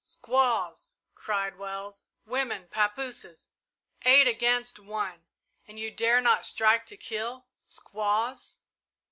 "Squaws!" cried Wells. "Women! Papooses! Eight against one, and you dare not strike to kill! Squaws!"